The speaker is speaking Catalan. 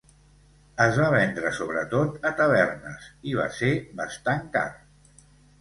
Es va vendre sobretot a tavernes i va ser bastant car.